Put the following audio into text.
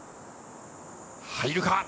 入るか。